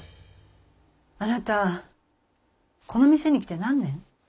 あなたこの店に来て何年？